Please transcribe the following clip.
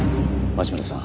町村さん